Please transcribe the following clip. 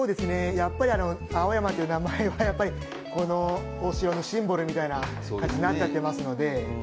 やっぱりあの「青山」という名前はやっぱりこのお城のシンボルみたいな感じになっちゃってますので。